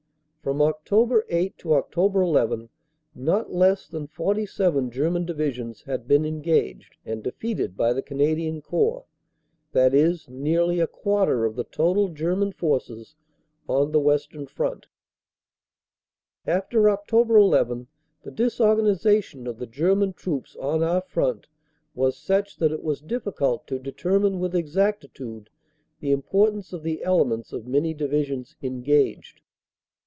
"From Aug. 8 to Oct. 11 not less than 47 German Divi sions had been engaged and defeated by the Canadian Corps, that is, nearly a quarter of the total German Forces on the Western Front. "After Oct. 1 1 the disorganisation of the German Troops on our front was such that it was difficult to determine with exactitude the importance of the elements of many Divisions engaged.